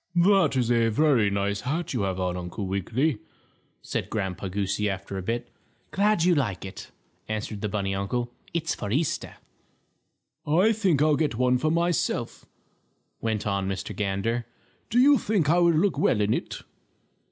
"That's a very nice hat you have on, Uncle Wiggily," said Grandpa Goosey, after a bit. "Glad you like it," answered the bunny uncle. "It's for Easter." "I think I'll get one for myself," went on Mr. Gander. "Do you think I would look well in it?"